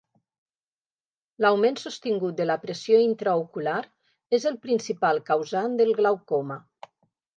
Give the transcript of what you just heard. L'augment sostingut de la pressió intraocular és el principal causant del glaucoma.